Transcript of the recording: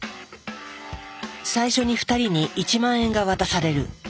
最初に２人に１万円が渡される。